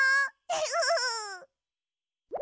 フフフ。